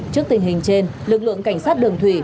trước tình hình trên lực lượng cảnh sát đường thủy